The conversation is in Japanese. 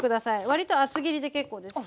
割と厚切りで結構です。